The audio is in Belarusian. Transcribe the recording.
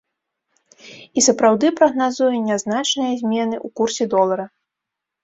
І сапраўды прагназуе нязначныя змены ў курсе долара.